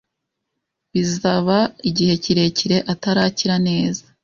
Bizaba igihe kirekire atarakira neza